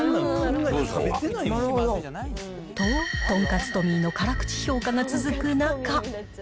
とんかつトミーの辛口評価が続く中。